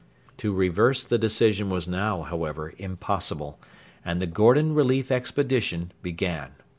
To reverse the decision was now, however, impossible, and the 'Gordon Relief Expedition' began.